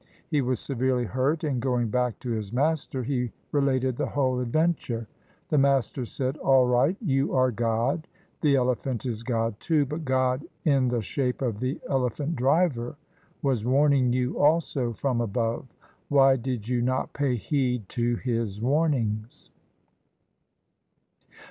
He was severely hurt, and going back to his master he related the whole adventure. The master said, "All right, you are God. The elephant is God too, but God in the shape of the elephant driver was warning you also from above. Why did you not pay heed to his warnings?"